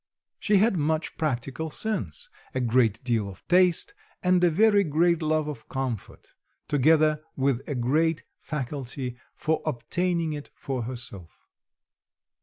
She had much practical sense, a great deal of taste, and a very great love of comfort, together with a great faculty for obtaining it for herself.